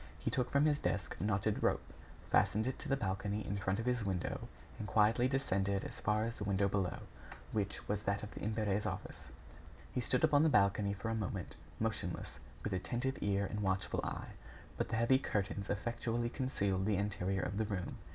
He took from his desk a knotted rope, fastened it to the balcony in front of his window, and quietly descended as far as the window below, which was that of the of Imbert's office. He stood upon the balcony for a moment, motionless, with attentive ear and watchful eye, but the heavy curtains effectually concealed the interior of the room.